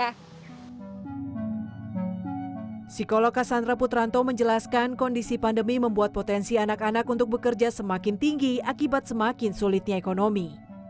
psikolog kassandra putranto menjelaskan kondisi pandemi membuat potensi anak anak untuk bekerja semakin tinggi akibat semakin sulitnya ekonomi